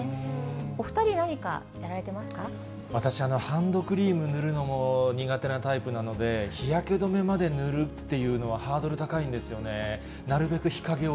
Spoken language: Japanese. お２人、私、ハンドクリーム塗るのも苦手なタイプなので、日焼け止めまで塗るっていうのは、ハードル高いんですよね。